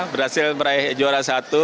berhasil meraih juara satu